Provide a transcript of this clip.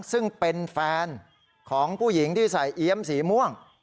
ซึ่งเป็นแฟนของผู้หญิงที่ใส่เอี๊ยมสีม่วง